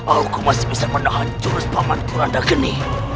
aku masih bisa menahan jurus peman kurandagini